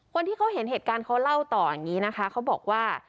คนที่เขาเห็นเหตุการณ์เขาเล่าต่ออย่างนี้นะคะเขาบอกว่า